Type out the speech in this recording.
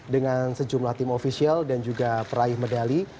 dengan sejumlah tim ofisial dan juga peraih medali